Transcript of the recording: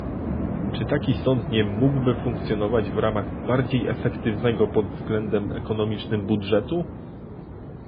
Czy taki sąd nie mógłby funkcjonować w ramach bardziej efektywnego pod względem ekonomicznym budżetu?